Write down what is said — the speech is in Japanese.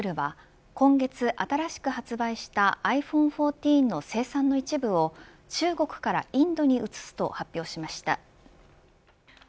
アップルは今月新しく発売したｉＰｈｏｎｅ１４の生産の一部を中国からインドに移すと発表しました。